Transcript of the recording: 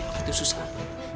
apa itu susah